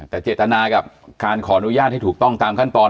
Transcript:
แต่เจตนากับการขออนุญาตให้ถูกต้องตามขั้นตอน